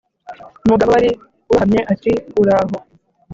umugabo wari urohamye ati: 'uraho.'